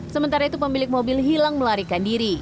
sementara itu pemilik mobil hilang melarikan diri